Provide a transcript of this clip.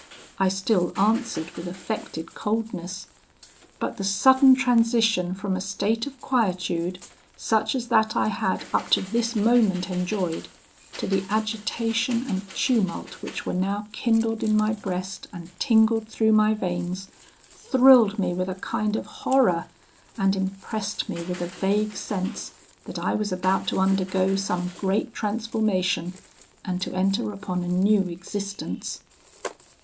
I still answered with affected coldness; but the sudden transition from a state of quietude, such as that I had up to this moment enjoyed, to the agitation and tumult which were now kindled in my breast and tingled through my veins, thrilled me with a kind of horror, and impressed me with a vague sense that I was about to undergo some great transformation, and to enter upon a new existence.